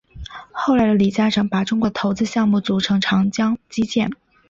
后来李嘉诚把中国的投资项目组成长江基建。